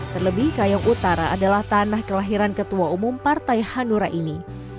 terlebih kayong utara adalah tanah kelahiran ketua umum partai hanura ini